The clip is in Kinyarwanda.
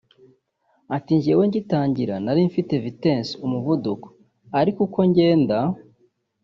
Ati “Jyewe ngitangira nari mfite vitesse (umuvuduko) ariko uko ngenda